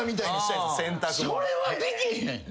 それはできへん？